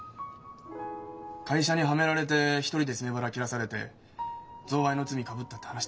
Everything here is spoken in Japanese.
会社にはめられて一人で詰め腹切らされて贈賄の罪かぶったって話したよな？